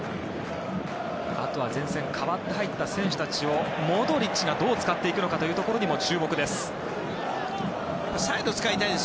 前線に代わって入った選手たちをモドリッチがどう使っていくかというところにも注目です。